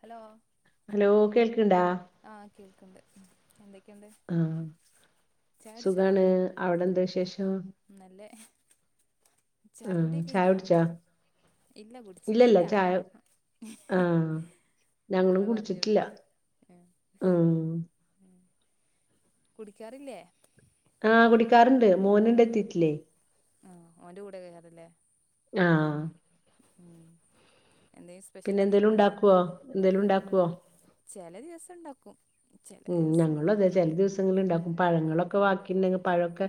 Hello hello കേൾക്ണ്ടാ ആഹ് കേൾക്ണ്ട് എന്തൊക്കെയുണ്ട് ആഹ് ചായ കുടിച്ചോ സുഖാണ് അവിടെന്താ വിശേഷം നല്ലേ ചായകുടി ആഹ് ചായ കയ്ഞ്ഞാ കുടിച്ചാ ഇല്ല ഇല്ലല്ല കുടിച്ചിട്ടില്ല ചായ ആഹ് ന്നാ ഞങ്ങളും ങ്ങള് പറഞ്ഞുടി കുടിച്ചിട്ടില്ല ആഹ് ഉം ഉം കുടിക്കാറില്ലേ ആഹ് കുടിക്കാർണ്ട് മോനുണ്ട് എത്തീട്ടില്ലേ ആഹ് ഓന്റെ കൂടെയാ [unintelligible] ല്ലേ ആഹ് ഉം എന്തേ പിന്നെന്തേലും ഉണ്ടാക്ക്വോ ന്തേലും ഉണ്ടാക്ക്വോ ചെല ദിവസം ണ്ടാക്കും ഉം ഞങ്ങളുവതെ ചില ദിവ് ങ്ങളിലുണ്ടാക്കും പഴങ്ങളൊക്കെ ബാക്കിണ്ടെങ്കി പഴൊക്കെ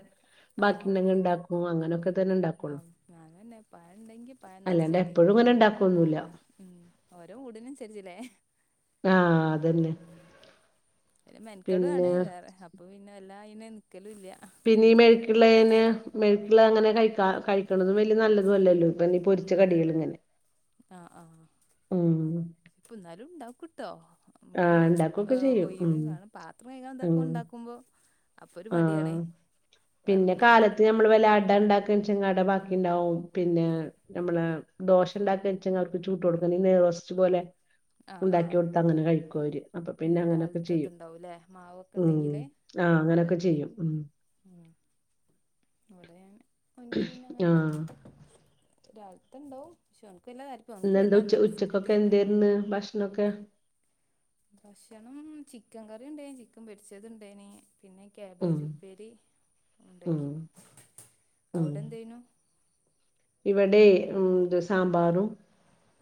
ബാക്കിണ്ടെങ്കി ണ്ടാക്കും അങ്ങനൊക്കെ തന്നെ ഉണ്ടാക്കുള്ളൂ ആഹ് ഞാനുന്നെ പഴ ഉണ്ടെങ്കി അല്ലാണ്ട് എപ്പഴും പഴംനെറച്ച്മതീങ്കി ഇങ്ങനെ ഉണ്ടാക്കൊന്നുല്ല ഉം ഓരോ [unintelligible] ആഹ് അതന്നെ ഉം മെൻക്കേടുആണ് പിന്നെ വേറെ അപ്പൊ പിന്നെ വെല്ലാ അയിന് നിക്കലു ഇല്ല പിന്നെ ഈ പൂതിണ്ടാവും മെഴുക്കിള്ളേന് മെഴുക്കുള്ള അങ്ങനെ കഴിക്കാ കഴിക്കണതും വെല്യ നല്ലതുവല്ലല്ലോ ഇപ്പോ എണ്ണേ പൊരിച്ച ഉം കടികള് ഇങ്ങനെ ഉം പ്പോ എന്നാലും ണ്ടാക്കൂട്ടോ മ്മള് ആഹ് ഉണ്ടാക്കൊക്കെ ചെയ്യും ഉം ഒയിവേകാണും പാത്രം കഴുകാൻ ഇതൊക്കെ ഉം ഉണ്ടാക്കുമ്പോ അപ്പൊ ഒരു മടിയാണേ വെറുതെങ്ങനെ മ്മള് വല്ല അട ണ്ടാക്കാച്ച അട ബാക്കീണ്ടാവും പിന്നാ ഞമ്മള് ദോശ ണ്ടാക്കിവച്ചങ്ങവർക്ക് ചൂട്ട് കൊടുക്കുന്നേ നെയ്റോസ്റ്റ് പോലെ ആഹ് ഉണ്ടാക്കി ആഹ് കൊടുത്താ അങ്ങനെ കഴിക്കുവര് അപ്പൊ ഉം പിന്നെ അങ്ങനൊക്കെ രാവിലത്തെ ചെയ്യും ഇതുണ്ടാവൂല്ലേ മാവൊക്കെ ഉം ഉണ്ടെങ്കിലേ ആഹ് ഉം അങ്ങനൊക് ഒക്കെ ചെയ്യും ഉം ഉം ഇവിടെ അങ്നെ ഓൻക് പിന്നെങ്ങനെ ആഹ് രാവിൽത്തെ ണ്ടാവും ശെ ഒൻക് [unintelligible] വല്ലാത്ത ബിസ്ക്കറ്റ് തര്ന്ന് ഭക്ഷ്ണൊക്കെ ഭക്ഷണം ചിക്കൻകറി ഉണ്ടേനി ചിക്കൻ പൊരിച്ചത്ണ്ടേനി പിന്നെ ഉം കാബേജുപ്പേരി ഉം ഉണ്ടാക്കി ഉം അവിടെന്തേനു ഇവിടെ ഉം ഇത് സാമ്പാറും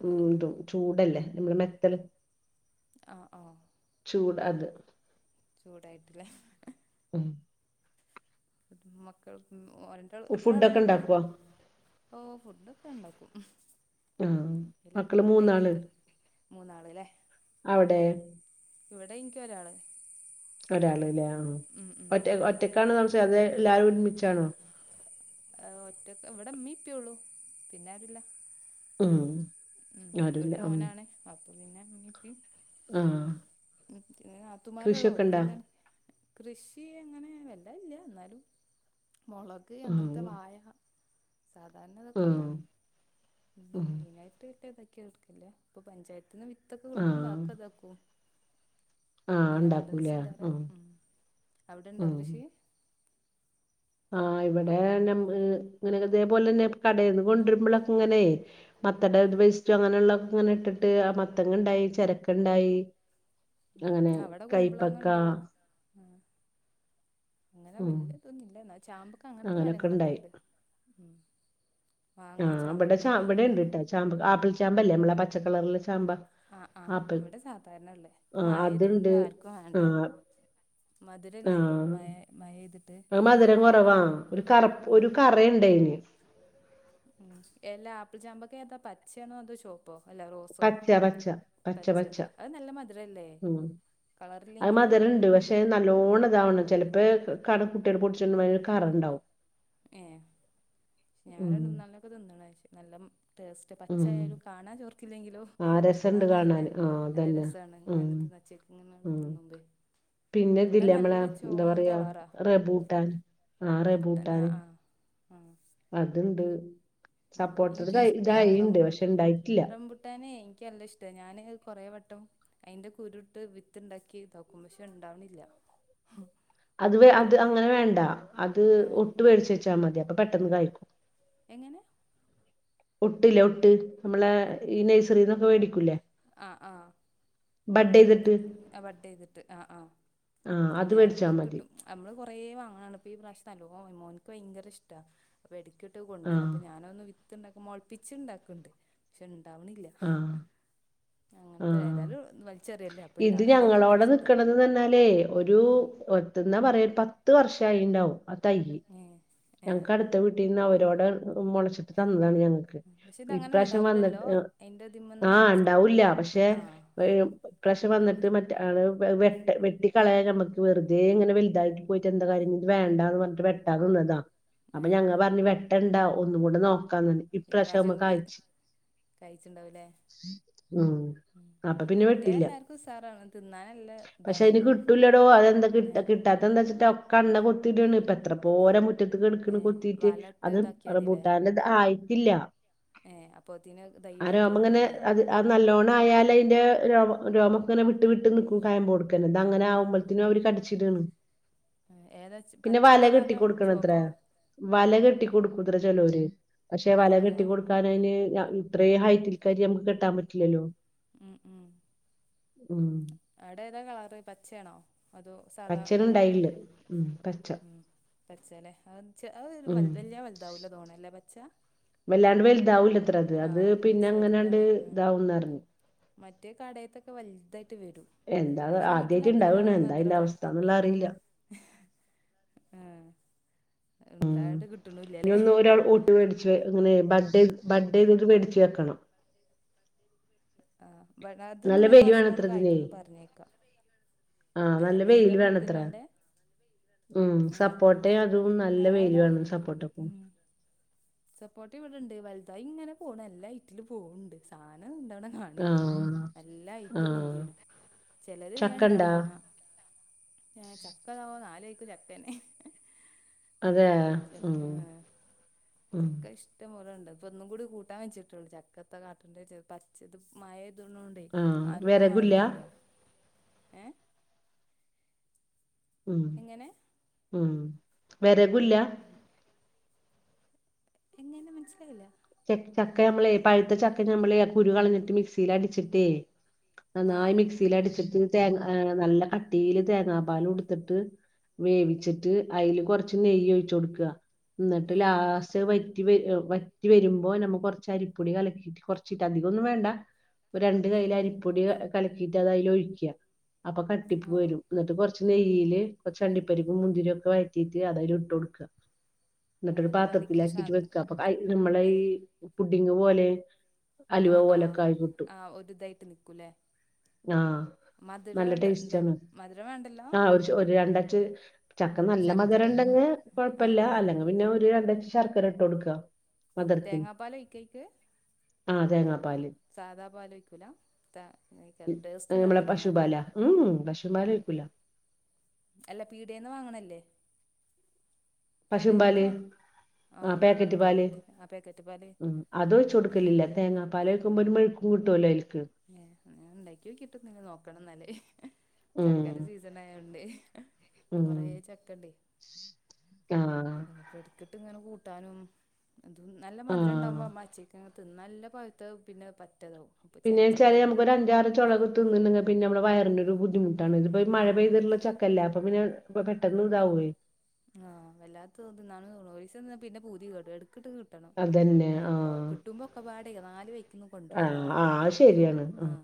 ഉം ആഹ് ഇതും ചൂടല്ലേ നമ്മുളെ മെത്തൽ ആഹ് ആഹ് ചൂട് അത് ചൂടായിട്ടില്ലേ [inaudible] മക്കൾക്ക് ഓ രണ്ടാൾ എത്ര ആള ഫുഡൊക്കെ ഇങ്ങക്ക് ഉണ്ടാക്കുവോ ഓ ഫുഡക്കെ ണ്ടാക്കും ഉം ആഹ് മക്കള് ഇലക്കൊക്കെ മൂന്നാള് കഴിഞ്ഞുത്ര മൂന്നാളല്ലേ അവിടെ ഇവിടെ ഇൻക്കി ഒരാള് ഒരാള്ലെ ആഹ് ഉം ഉം ക്ക് ആണ് സംശയം അതെ ല്ലാരും ഒരുമിച്ചാണോ ഒറ്റക്ക ഇവിടെ മ്മീ ഇപ്പേള്ളു പിന്നാരുല്ല ഉം ഉം ആരുല്ല ഒരു ഉം മോനാണ് അപ്പ പിന്നെ മ്മി പ്പി ആഹ് പിന്നെ നാതുമ്മാരോള്ളു കൃഷിയൊക്കെ ഒരോക്കെ ഇണ്ടാ കല്യാ കൃഷി അങ്ങനെ വല്ല ഇല്ല എന്നാലും മുളക് അങ്ങനത്തെ ആഹ് വാഴ സാധാരണ ഇതൊക്കെള്ളെ ആഹ് ഉം ആഹ് അയിനായിട്ട്ത്ത് എടുക്കല്ല ഇപ്പൊ പഞ്ചായത്തിന്ന് വി ത്തൊക്കെ കിട്ടുമ്പോ ആഹ് ആക്കേ ഇതാക്കും ആഹ് ഉം ഉണ്ടാക്കൂലേ [unintelligible] ആഹ് ഉം അവിടണ്ടോ ആഹ് കൃഷി ആഹ് ഇവിടെ ഇങ്ങനെ ഇതേപോലെന്നെ [unintelligible] ഇങ്ങനെ മത്തടെ ഉം വെസ്റ്റോ അങ്ങനെയുള്ളൊക്കെ ഇങ്ങനെ ഇട്ടിട്ട് മത്തങ്ങണ്ടായി ചരക്കണ്ടായി ഉം അവിടെ കുമ്പളങ്ങണ്ട് ആഹ് അങ്ങനെ ഉം വല്യാ ഇതൊന്നുംല്ല എന്നാ ചാമ്പക്ക അങ്ങനത്തെ അങ്ങനൊക്കെ ഉണ്ടായി മരങ്ങളൊക്കെണ്ട് ഉം മാങ്ങ ആഹ് ഇവിടെ ചാമ്പക്ക ച ഇവിടെ ണ്ട്ട്ടാ ചാമ്പ ആപ്പിൾ ചാമ്പല്ലേ നമ്മളെ പച്ചക്കളറിലെ ചാമ്പ ആഹ് ആഹ് ആപ്പിൾ ഇവിടെ സാധാരണള്ളേ ഇപ്പ ആഹ് മഴയതുകൊണ്ട് അതുണ്ട് ആർക്കും വേണ്ട ആഹ് മധുരല്ലേ ആഹ് മയ മഴ ഇതിട്ട് അത് മധുരം കുറവാ ഒരു ഒരു ഉം കറണ്ടായിന് ഉം എല്ലാ ആപ്പിൾ ചാമ്പക്ക ഏതാ പച്ചയാണോ അതോ ചോ അല്ല റോസോ പച്ച പച്ച പച്ച പച്ച പച്ചല്ലേ അത് നല്ല മധുരല്ലേ ഉം അത് കളറില്ലെങ്കിലും മധുരണ്ട് പക്ഷെ നല്ലോണം ഇതാവാണം ചെലപ്പേ കുട്ടിയൾ പൊട്ടിച്ച് കൊണ്ടൊരുമ്പോ കറണ്ടാവും ഏ ഞാൻ ഉം രണ്ട് മൂന്നാലൊണ്ണെക്കെ തിന്നണ നല്ല ടേസ്റ്റ് ഉം പച്ചയാലും കാണാൻ ചോർക്കില്ലെങ്കിലും ആ രസണ്ട് തിന്നാൻ നല്ല കാണാന് ആ നല്ല അതന്നെ രസാണ് ഉം ഇങ്ങനെ തിന്നച്ച ഇങ്ങനെ തിന്നുംബെ പിന്നെതില്ല മ്മളെ എന്താ പറയാ കളറാ റെബൂട്ടാൻ ആഹ് റെബൂ ആഹ് ആഹ് ആഹ് അതുണ്ട് സപ്പോർട്ട എനിക്കും ക തൈണ്ട് പക്ഷെണ്ടായിട്ടില്ല ട്ടാനെ എനിക്ക്ല്ല ഇഷ്ടാ ഞാന് കൊറെ വട്ടം അയിന്റെ കുരുട്ട് വിത്ത്ണ്ടാക്കി തോക്കും പക്ഷേ ഇണ്ടാവ്ണില്ല അത് വ അത് അങ്ങനെ വേണ്ട അത് ആ ഒട്ട് മേടിച്ച് വെച്ചാൽ മതി അപ്പൊ പെട്ടെന്ന് കായിക്കും എങ്ങനെ ഒട്ടില്ല ഒട്ട് മ്മളെ ഈ നഴ്സറിന്നൊക്കെ മേടിക്കൂല്ലേ ആഹ് ആഹ് അങ്ങനത്തെ ചെയ്തിട്ട് ആഹ് ബഡേയ്തിട്ട് ആഹ് ആഹ ആ അല്ല അത് വേടിച്ചാ ഞാനവിടെ മതി കിട്ടും നമ്മള് കുറേ വാങ്ങാണാണ് ഈ പ്രാവശ്യത്തെ നല്ലോ മോൻക്ക് ഭയങ്കര ഇഷ്ടാ അപ്പ എടക്കിട്ട് ആ കൊണ്ടരും അപ്പൊ ഞാനന്ന് വിത്ത്ണ്ടാക്ക മുളപ്പിച്ച ണ്ടാക്ക്ണ്ട് പക്ഷെ ഉണ്ടാവ്ണില്ല ആ അങ്ങനത്തെ ആഹ് ഏതാലും വലിച്ചറിയല്ലേ ഇത് ഞങ്ങളോടെ നിക്കണത്ന്നാലേ ഒരു ഉം ഒ എന്നാ പറയാ പത്ത് വർഷം ആയിണ്ടാവും തൈ ഏഹ് ഞങ്ങക്ക് അടുത്ത വീട്ടിൽ നിന്ന് അവരോടെ മുളച്ചിട്ട് തന്നതാണ് ഞങ്ങ പക്ഷെ ഇതങ്ങനെ ഇപ്രാവശ്യം ഉണ്ടാവൂലല്ലോ വന്നിട്ട് അയിന്റെ ഇതിമന്ന് ആഹ് ഉണ്ടാവുല്ല പക്ഷെ ആഹ് ഇപ്രാവശ്യം വന്നിട്ട് മറ്റെ ആള് വെട്ട് വെട്ടി കളയാൻ നമ്മുക്ക് വെറുതെങ്ങനെ വലുതായി പോയിട്ടന്താകാര്യം വേണ്ട എന്ന് പറഞ്ഞട്ട് വെട്ടാനിന്നതാ ഏ അപ്പൊ ഞങ്ങ പറഞ് വെട്ടണ്ടാ ഒന്നും കൂടെ നോക്കാന്ന് ഇപ്രാവശ്യം ഞമ്മക്കഴിച്ച് കഴിച്ചിണ്ടാവുല്ലേ ഉം അപ്പൊ പിന്നെ കിട്ടിയാ വെട്ടില്ല എല്ലാർക്കും ഉസാറാണ് തിന്നാൻ നല്ല പക്ഷെ അതിന് ഇതാണല്ലോ കിട്ടൂലടോ അതെന്താ ഏ കിട്ടാ ഇതെന്താ വച്ചിട്ട് ഒക്കെണ്ണ കൊത്തിട്ടാണ് പ്പത്ര പോര മുറ്റത്ത് കിടക്കണ് ഏ കൊത്തിട്ട് വലട്ട് അതും ഇതാക്കിയാതില്ലേ റംബുട്ടാൻ ആയിട്ടില്ല ഏ അപ്പൊത്തിന് തൈവേം പോവ്ണ്ടാവുംല്ലേ ആഹ് നല്ലോണം ആയാല് അയ്ൻ്റെ രോ രോമൊക്കങ്ങനെ വിട്ട് വിട്ട് നിൽക്കും കായംമ്പോടു അങ്ങനെ ആവുമ്പോത്തിനും അവര് ഉം കടിച്ചിടേണ് ഏതാ പിന്നെ പച്ച വല കളറാ കെട്ടി അതോ കൊടുക്കണ ചുവപ്പോ ത്രയാ വല കെട്ടിക്കൊടുക്കൂത്ര ചലോര് പക്ഷെ വല ആഹ് കെട്ടി ആഹ് കൊട് കാനയിന് ഇത്രേ ഹൈറ്റിൽ കേറി നമക്ക് കെട്ടാൻ പറ്റില്ലല്ലോ ഉം ഉം ഉം ആടെതാ കളറ് പച്ചേയാണോ അതോ സാധാ പച്ചേന് കളറാ ഇണ്ടായില്ല ഉം പച്ച ഉം പച്ചല്ലേ അത് ച്ച അഒരു ഉം വല്യ വലുതാവൂല്ലോ തോണ അല്ലേ പച്ച വല്ലാണ്ട് വലുതാവില്ലത്ര അത് അത് ആഹ് പിന്നെ അങ്ങനാണ്ട് ചെറുതാണ് ഉം ഇതാവുംന്ന് അറിഞ്ഞ് മറ്റേ കടേത്തൊക്കെ വൽതായിട്ട് വരും എന്താ പക്ഷെ വീട്ടിൽ ആദ്യായിട്ട്ണ്ടാവാണ് ഉണ്ടാവണന്ന് എന്താ അത്ര അയ്ന്റെ വലിപ്പം അവസ്ഥാന്നുള്ള അറിയില്ല ആഹ് ഉം ഉണ്ടായോണ്ട് ഇനി കിട്ടണില്ലല്ലേ ഒന്ന് ഒരാൾ ഊട്ട് മേടിച്ച് അങ്ങനെ ബഡേ ബഡേയിതത് മേടിച്ച് വെക്കണം ആഹ് ബഡാ അത് നല്ല മൂന്ന് വെയില് വർഷം കൊണ്ട് വേണത്ര ഇതിനെ കായ്ക്കുംന്ന് പറഞ്ഞേക്കാ ആഹ് ഏ നല്ല വെയില് വെയിലാകൂടുതൽ വേണത്ര വേണ്ടേ ഉം ഏഹ് സപ്പോട്ടേ അതും നല്ല വെയില് ഞങ്ങളവിടെ വേണം സപ്പോർട്ടക്കും സപ്പോർട്ടവിടെണ്ട് വലുതായി ങ്ങനെ പോണ് നല്ല ഹൈറ്റില് പോകുണ്ട് സാധനം ഇണ്ടടെ വണ്ണില്ലാ ആഹ് നല്ല ഹൈറ്റിൽ ആഹ് പൊന്തിണ് ചെലര് വേണ്ടാ ചക്കണ്ടാ [unintelligible] ചക്കതാവോ നാല് വഴിക്കും ചക്കന്നെ അതെ ചക്ക ഉം ഏഹ് ഉം ചക്ക ഇഷ് ടം പോല ഉണ്ട് അപ്പോ ഇന്നും കൂടി കൂട്ടാൻ വെച്ചിട്ടുള്ളൂ ചക്കത്ത കാട്ടേണ്ട പച്ചത് മഴ ഇതും ഉണ്ട് ണ്ടെ ആഹ് ആർക്കും വെരകുല്ല വേണ്ടല്ലോ ഏ ഉം എങ്ങനെ ഉം വെരകുല്ല വെര എങ്ങനെ മനസ്സിലായില്ല ച ചക്ക നമ്മളെ പഴുത്ത ചക്ക ഞമ്മളെ കുരു കളഞ്ഞിട്ട് മിക്സിൽ അടിച്ചിട്ടേ നന്നായി ആഹ് മിക്സിൽ അടിച്ചിട്ട് തേങ്ങ നല്ല കട്ടിയില് തേങ്ങാ പാല് എടുത്തിട്ട് വേവിച്ചിട്ട് അതിൽ കൊറച്ച് നെയ്യൊഴിച്ച് കൊടുക്കുക എന്നിട്ട് ഉം ലാസ്റ്റ് വറ്റി വരു വറ്റ് റ്റി വരുമ്പോൾ നമ്മക്ക് കുറച്ച് അരിപ്പൊടി കലക്കിയിട്ട് കുറച്ചിട്ട് അധികൊന്നും വേണ്ട ഒര് രണ്ട് ഉം കൈയ്യിൽ ഉം അരിപ്പൊടി കലക്കിയിട്ട് അത് അയിൽ ഒഴിക്കുക അപ്പൊ കട്ടിക്ക് ആഹ് വരും എന്നിട്ട് കുറച്ച് നെയ്യില് കുറച്ച് അണ്ടിപ്പരിപ്പ് മുന്തിരി ഒക്കെ വഴറ്റിയിട്ട് അതിൽ ഇട്ട് കൊടുക്കുക എന്നിട്ടൊരു എന്നിട്ട് വരിക്ക് പാത്രത്തിലാക്കിട്ട് സാ വെക്ക അപ്പൊ നമ്മളെ ഈ പുഡിങ് പോലെ അലുവ ആഹ് ആഹ് പോലൊക്കായി കിട്ടും ആഹ് ഒരു ഇതായിട്ട് നിക്കൂല്ലേ ആഹ് നല്ല മധുരടണ്ട് ടേസ്റ്റാണ് മധുരം വേണ്ടല്ലോ ആഹ് ഒരു ഒരു രണ്ടാച് ചക്ക നല്ല ശർക്കര മധുരംണ്ടങ്ങ് ആഹ് കൊഴപ്പില്ല ആഹ് അല്ല പിന്നെ ഒരു രണ്ടച് ശർക്കര ഇട്ടോടുക്കുക ഉം തേങ്ങാപ്പാല ഒഴിക്കയ്ക്ക് ആഹ് തേങ്ങാപ്പാല് സാദാ പാലൊയ്ക്കൂല ത ഉം, ടേസ്റ്റ് ഉണ്ടാവണ നമ്മളെ തേങ്ങാപ്പാല പശുപാലാ ഉം ഉം പശുപാല് ഉം ഒഴിക്കൂല അല്ല പീടേന്ന് വാങ്ങണല്ലേ കടെന്നൊക്കെ പശുമ്പാല് വാങ്ങ ആഹ് പാക്കറ്റ് പാല് പാല് ഉം അത് വെച്ച് കൊടുക്കലില്ല തേങ്ങാ പാല് വെക്കുമ്പോ ഒരു മെഴുക് കൂട്ടോലൽക്ക് ഏഹ് ഞാൻ ഇണ്ടാക്കിയൊകിട്ടൊന്നില്ല നോക്കണന്നാല് ഉം ചക്കന്റെ സീസണായൊണ്ടെ ഉം കൊറെ ചക്കണ്ടെ ആഹ് പ്പ എടുക്കിട്ട് ഇങ്ങനെ കൂട്ടാനും എത് നല്ല മധുരം ആഹ് ഉണ്ടാവുമ്പ മാച്ചേ ക്ക തി നല്ല പഅ്ത്തതാ പിന്നെ പറ്റതാവും പിന്നെ ചെനച്ച ച്ചാല് ടൈമിൽ നമക്ക് ഒരു അഞ്ചാറ് ചൊള കിട്ടുന്നുണ്ടെങ്കി പിന്നെ നമ്മടെ വയറിന് ഒരു ബുദ്ധിമു ട്ടാണ് ഇത്പ്പോ ഈ മഴ ഉം പെയ്തിട്ടുള്ള ചക്കല്ല അപ്പൊ പിന്നെ പെട്ടെന്ന് താവേ ആഹ് വല്ലാത്ത തിന്നാന് [unintelligible] പിന്നെ പൂതി കെടും എട്കിട്ട് കി... ട്ടണം ആഹ് ട്ടുമ്പോ ഒക്കെ പാടെ നാല് വെ ആഹ് ആഹ് ശരിയാണ് അ ആഹ്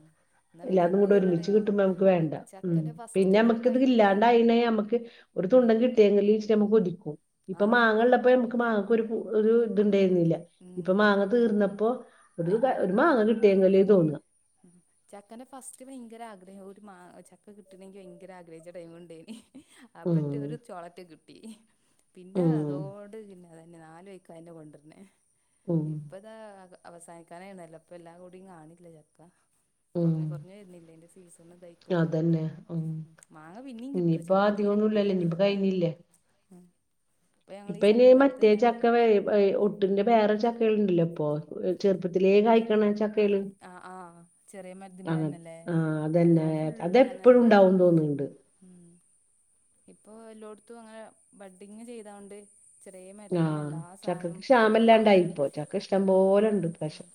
എന്നാ പിന്നെ ഇല്ലാതും കൂടെ പൂതിയുള്ള ഒരുമിച്ച് ടൈമ് കിട്ടുമ്പോ നമുക്ക് വേണ്ട ഉം ചക്കന്റെ ഫസ്റ്റ് പിന്നെ ആ മ്മക്ക് ഇത് ടൈമില് ഇല്ലാണ്ട് അയിന നമ്മക്ക് ഒരു ഉം തുണ്ടൻ കിട്ടിയെങ്കില് നമുക്ക് കൊതിക്കു ഇപ്പൊ ആഹ് മാങ്ങ ഇള്ളപ്പോ നമുക്ക് മാങ്ങക്ക് ഒരു പൂ ഒരു ഇണ്ടായിരുന്നില്ല ഉം ഇപ്പൊ മാങ്ങ തീർന്നപ്പോ ഒരു ഒരു മാങ്ങ കിട്ടിയെങ്കില് തോന്ന ഉം ചക്കൻ്റെ ഫസ്റ്റ് ഭയങ്കര ആഗ്രഹം ഒരു മാ ചക്ക കിട്ടണങ്കി ഭയങ്കര ആഗ്രഹിച്ച ടൈം ണ്ടേന് ഉം അപ്പറ്റ ഒരു ചോളറ്റ് കിട്ടി പിന്നെ ഉം അതോട് പിന്നെ അതന്നെ നല് വൈക്കെ കൊണ്ടരുന്നേ ഉം ഇപ്പ ദ്ദാ അവസാനിക്കാനായ്ണല്ലപ്പ എല്ലാ കുടി കാണില്ല ചക്ക കുറ ഉം കുറഞ്ഞ് വരുന്നില്ലന്റെ സീസണതായി കിട്ടു അതന്നെ ഉം ഉംമാങ്ങ പിന്നേം കിട്ടു ഇനിയിപ്പോ ചക്ക തീരെ കിട്ടൂല അധികൊന്നുംല്ലല്ലോ ഇനിയിപ്പോ കഴിഞ്ഞില്ലേ ഉം ഞങ്ങള് ഈ ഇപ്പൊ ഇനി ചക്കക്കാലത്ത് മറ്റേ തന്നെ ഞങ്ങള് ചക്ക [unintelligible] ട്ടിന്റെ വേറെ ചക്കകൾ ഉണ്ടല്ലോ ഇപ്പൊ ചെറുപ്പത്തിലേ കായിക്കണ ചക്കേല് അ ആഹ് ചെറിയ മരുദുമന്നെലല്ലേ ആ അതന്നെ അപ്പൊ ഫുള്ളു അതെപ്പോഴും അങ്ങനെല്ലേ ഉണ്ടാവും തോന്നുന്നുണ്ട് ഉം ഇപ്പൊ എല്ലോടത്തും അങ്ങനെ ബഡ്ഡിങ്ങ് ചെയ്തൊണ്ട് ചെറിയ മരുത്തിമന്ന് ആഹ് എല്ലാ സാനും ചക്കക്ക് പേരക്കിം ഇന്തൊക്കെ ക്ഷാമല്ലാണ്ടായിപ്പോ ചക്ക ഇഷ്ടം പോലെ ഉണ്ട് ഉം ഇപ്രാവശ്യം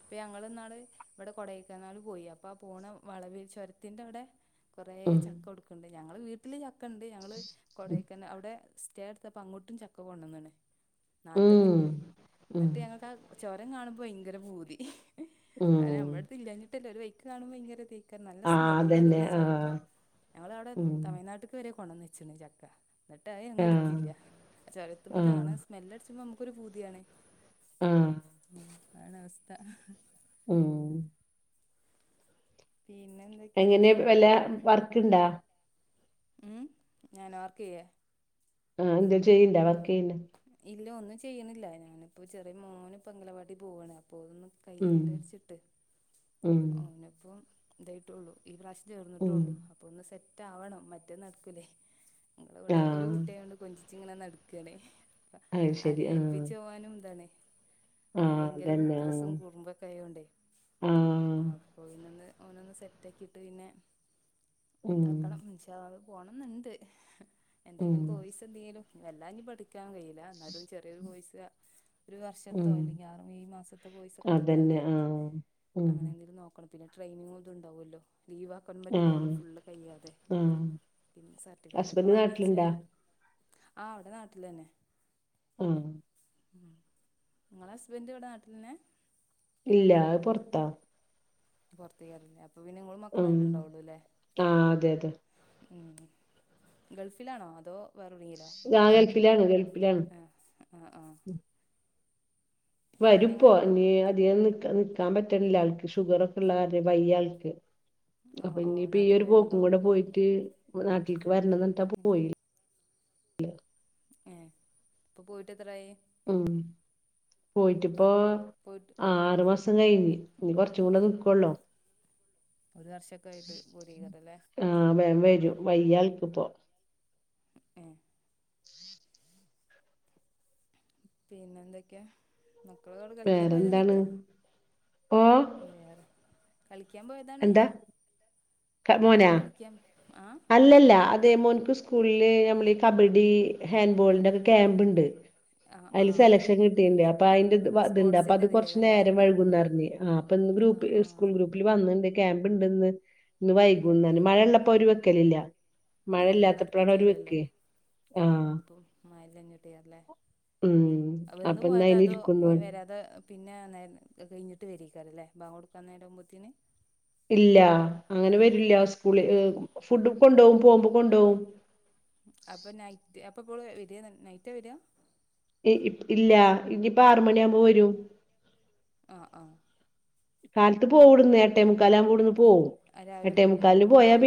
ഇപ്പൊ ഞങ്ങൾന്നാള് ഇവിടെ കൊഡെയ്ക്കനാൽ പോയി അപ്പൊ അ പോണ വളവിൽ ചുരത്തിന്റെ അവിടെ കുറെ ഉം ചക്ക കൊടുക്കണ്ട് ഞങ്ങള് വീട്ടില് ചക്ക ഉണ്ട് ഞങ്ങള് കൊടയ്ക്കന അവിടെ സ്റ്റേ എടുത്തപ്പോ അങ്ങോട്ടും ചക്ക കൊണ്ടന്ന്ണ് നാട്ടിന്ന് ഉം ഉം എന്നിട്ട് ഞങ്ങ നിക്കാ ചോരം കാണുമ്പോൾ ഭയങ്കര ഭൂതി കാരണം ഉം നമ്മുടെ അടുത്ത് ഇല്ലഞ്ഞിട്ടല്ല ഒരു വഴി കാണുമ്പോ ഭയങ്കരതയിക്കാ ആ അതന്നെ നല്ലസ്മെല്ലടിക്ക്ണ ചക്ക ആഹ് ഞങ്ങളെവിടെ ഉം തമിഴ്നാട്ടിക്ക് വരെ കൊണ്ടന്ന് വച്ചീണ് ചക്ക എന്നിട്ട് അത് ഞങ്ങൾ ആഹ് എടുത്തില്ല ആഹ് ചൊരതമ്മതാണ് ത് സ്മല്ലടിച്ചിമ്പോ ഞമ്മ പ്പൊ ഒരു പൂതിയാണ് ആഹ് ഉം ആണ് അവസ്ഥ ഉം പിന്നെ എന്തൊക്കെ? എങ്ങനെ വല്ല വർക്ക്ണ്ടാ? ഉം ഞാനോ വർക്ക് യ്യേ? ആഹ് എന്തെ ചെയ്യ്ണ്ടാ വർക്ക് ചെയ്യ്ണ്ടാ? ഇല്ല ഒന്നും ചെയ്യണില്ല ഞാനിപ്പോ ചെറിയ മോന് ഇപ്പൊ അംഗലവാടി പോവാണ് അപ്പതൊന്നു ഉം കൈയോട്ടെ ർച്ചിട്ട് ഉം പിന്നെ പ്പം ഇതായിട്ടുള്ളു ഈ പ്രാവശ്യം ഉം ചേർന്നിട്ടുള്ളൂ അപ് അപ്പ ഒന്ന് സെറ്റ് ആവണം മറ്റേ നടക്കൂല്ലേ ഞങ്ങൾ ഇവിടെ ഒരുകു ആഹ് കുട്ടി ആയോണ്ട് കൊഞ്ചിചിങ്ങനെ നടക്കാണേ പ്പ അത് ശരി ആരെ ആഹ് ഏൽപ്പിച്ചു പോവാനും ഇതാണെ ഓ ആഹ് ഭയങ്കര അതന്നെ വിക്രസും ആഹ് കുറുമ്പൊക്കെ ആയോണ്ടേ ആഹ് അപ്പൊ പിന്നൊന്ന് ഓനൊന്ന് സെറ്റ് ആക്കിട്ട് പിന്നെ ഉം ഇതാക്കണം വി ആ പോണംന്ന്ണ്ട് ഉം എന്തേങ്കിലും കോയ്സ് എന്തെങ്കിലും ലും വല്ലാ ഇഞ് പഠിക്ക കാൻ കഴിയില്ല എന്നാലും ചെറിയൊരു കോയ്സ ഒരു വർഷത്തോ ഉം അല്ലെങ്കി ആറ് ഏഴ് മാസത്തെ കോയ്സ ഒക്കെ എ അതന്നെ ടുത്താണ്ടേ ആഹ് ഉം അങ്ങനെ എന്തെങ്കിലും നോക്കണം പിന്നെ ട്രെയിനിങ്ങും ഇതുണ്ടാവല്ലോ ലീവാ ക്കാനും പറ്റൂലല്ലോ ആഹ് ഫുള്ള് കയ്യാതെ ആഹ് പിന്നെ സർട്ടിഫിക്കറ്റ് ഒക്കെ ഹസ്ബൻഡ് വാങ്ങി നാട്ടിലുണ്ടാ വെച്ചാല് ആഹ് അവിടെ നാട്ടിൽ തന്നെ ഉം ഉം ങ്ങളെ ഹസ്ബന്ഡ് ഇവിടെ നാട്ടിൽന്നെ ഇല്ല അത് പുറത്താ പുറത്തേക്കരല്ലേ അപ്പൊ പിന്ന നിങ്ങളും മക്കളും ഉം തന്നെ ഇണ്ടാവുള്ളു അല്ലേ ആഹ് അതെ അതെ ഉം ഗൾഫിലാണോ അതോ? വേറെ എവിടെങ്കിലോ ആഹ് ഗൾഫിലാണ് ഗൾഫിലാണ് ആ ഹ് ആഹ് ആഹ് ഉം. വരുപ്പോ നിങ്ങളെ വീട് ഇനി അധികം ന് നി ക്കാ പറ്റണില്ല ആൾക്ക് ഷുഗർ ഒക്കെ ഉള്ള കാരണം വയ്യ ആൾക്ക് ഓ അപ്പൊ ഓ ഇനിയിപ്പ ഈ നാട്ട്ക്ക് ഒരു പോക്കും കൂടെ വരുണ്ടാവൂലേ പോയിട്ട് നാട്ടിലേക്ക് വരണം പറഞ്ഞിട്ടാ പോയെ ഏഹ് ഇപ്പൊ പോയിട്ട് എത്രായി? ഉം പോയിട്ടിപ്പോ പോയിട്ട് ആറുമാസം മ് കഴിഞ്ഞി ഇനി കുറച്ചും കൂടെ നിക്കൊള്ളൂ ഒരു വർഷൊക്കെ ആയിട്ട് [unintelligible] ആഹ് വേ വരും വയ്യാള്ക്ക് ഇപ്പോ ഏ പിന്നെ എന്തൊക്കെയാ? മക്കളവിടെ കളിക്കാമ് പോയതാ വേറെന്താണ് ന്നട്ട് ഓ വേറെ കളിക്കാൻ പോയതാണ്? കാ മോന മോന് കളിക്കാൻ ആ അല്ലല്ല അതെ മോൻക് സ് സ്കൂളില് നമ്മള് ഈ കബഡി ഹാൻഡ്ബോളിന്റെ ഒക്കെ ക്യാമ്പ് ഉണ്ട് ആ ആ അതില് സെലക്ഷൻ കിട്ടിട്ട്ണ്ട് അപ്പൊ അതിന്റെ ഇതുണ്ട് അപ്പൊ സ്പോർട്സിൻ്റെ അത് കുറച്ചു ഇതിലേക്കല്ലേ നേരം വഴുകുന്നറിഞ് ആഹ് അപ്പൊ ഇന്ന് ആ ഗ്രൂപ്പ് ഈ ആ സ്കൂൾ ഗ്രുപ് ന്ന് വന്ന് ണ്ട് ക്യാമ്പ് ഇണ്ട്ന്ന് ഇന്ന് വൈകുന്നർന് മഴള്ളപ്പോ ഓര് വെക്കലില്ല. ഉം അത് നടക്കും മഴയില്ലാത്തപ്പോഴാണ് ഒരു വെക്കെ ആഹ് മയല്ലാഞ്ഞിട്ടേറല്ലേ ഉം വന്ന് അപ്പൊ ഇന്ന് പോയതാ അയിന് അതോ ഇരിക്കുന്ന് ഓന് വരാതെ പിന്നെ നേര അ കഴിഞ്ഞിട്ട് വരിക്കാരല്ലേ ബാങ്കൊടുക്കാൻ നേരാകുമ്പോത്തേന് ഇല്ല അങ്ങനെ വരില്ല സ്കൂൾ ഫുഡ് കൊണ്ടോവും പോമ്പം കൊണ്ടോവും അപ്പൊ നൈറ്റ് അപ്പ ഇപ്പോള് വരാ നൈറ്റ വര ഇ ഇല്ല ഇനിയിപ്പ ആറുമണിയ ആവുമ്പോ വരും ആഹ് ആഹ് കാൽത്ത് പോവിടുന്ന് എട്ടേ മുക്കാല ആവുമ്പവിടന്ന് പോവും രാവിലെ എട്ടേ പോവും ഉം ഉം മുക്കാലിന് പോയാ പിന്ന് നാല്